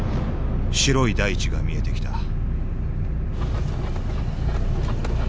白い大地が見えてきた